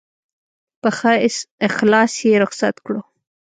په ښه اخلاص یې رخصت کړو.